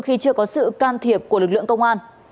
khi chưa có sự can thiệp của lực lượng công an